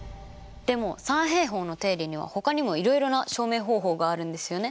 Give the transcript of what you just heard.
でも三平方の定理にはほかにもいろいろな証明方法があるんですよねマスター。